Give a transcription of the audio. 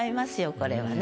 これはね。